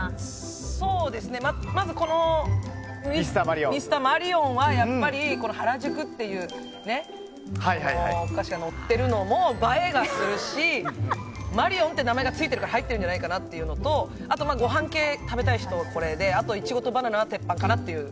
まず、ミスターマリオンはやっぱり原宿っていうお菓子がのってるのも映えがするし、マリオンという名前がついているから入ってるんじゃないかなっていうのとごはん系を食べたい人はこれであといちごとバナナは鉄板かなと。